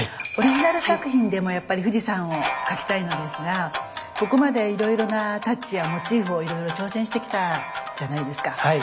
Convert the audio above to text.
オリジナル作品でもやっぱり富士山を描きたいのですがここまでいろいろなタッチやモチーフを挑戦してきたじゃないですか。